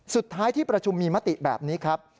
สุดท้ายที่ประชุมมีมติแบบนี้ครับ